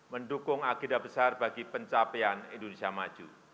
mendukung agenda besar bagi pencapaian indonesia maju